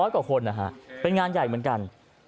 กว่าคนนะฮะเป็นงานใหญ่เหมือนกัน